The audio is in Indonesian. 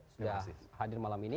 sudah hadir malam ini